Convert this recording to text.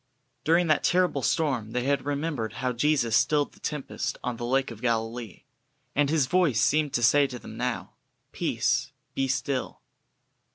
During that terrible storm they had remembered how Jesus stilled the tempest on the Lake of Galilee, and His voice seemed to say to them now: "Peace, be still."